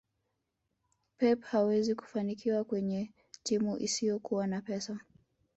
pep hawezi kufanikiwa kwenye timu isiyokuwa na pesa